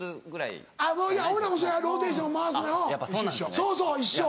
そうそう一緒。